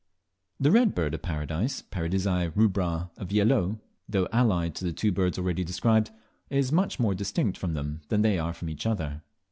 The Red Bird of Paradise (Paradisea rubra of Viellot), though allied to the two birds already described, is much more distinct from them than they are from each other.